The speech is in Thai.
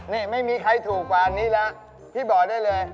นี่ไม่มีใครถูกกว่าอันนี้แล้วพี่บอกได้เลย